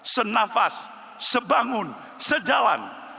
senafas sebangun sejalan